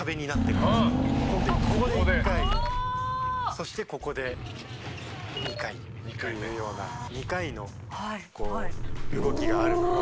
そしてここで２回というような２回の動きがあるので。